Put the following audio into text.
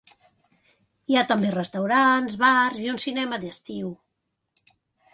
Hi ha també restaurants, bars, i un cinema d'estiu.